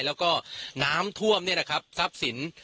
แล้วก็น้ำท่วมเนี่ยนะครับทรัพย์สิน